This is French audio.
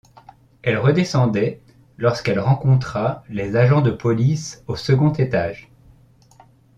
Elle redescendait, lorsqu’elle rencontra les agents de police au second étage.